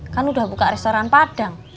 kan udah buka restoran padang